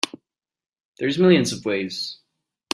There's millions of ways.